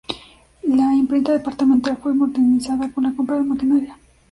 La imprenta Departamental fue modernizada con la compra de maquinaria.